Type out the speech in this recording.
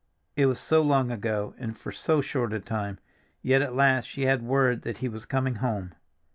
It was so long ago, and for so short a time! Yet at last she had word that he was coming home.